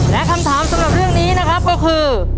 และคำถามสำหรับเรื่องนี้นะครับก็คือ